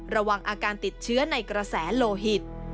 ระวังอาการติดเชื้อในกระแสโลหิต